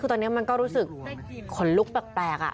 ตอนนี้เราก็รู้สึกฝนลุกแปลก